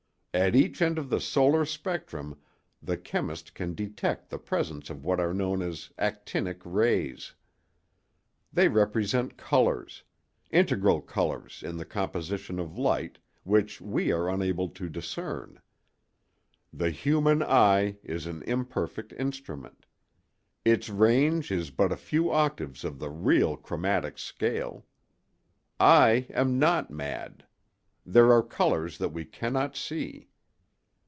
At each end of the solar spectrum the chemist can detect the presence of what are known as 'actinic' rays. They represent colors—integral colors in the composition of light—which we are unable to discern. The human eye is an imperfect instrument; its range is but a few octaves of the real 'chromatic scale.' I am not mad; there are colors that we cannot see.